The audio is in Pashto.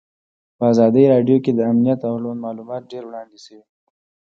په ازادي راډیو کې د امنیت اړوند معلومات ډېر وړاندې شوي.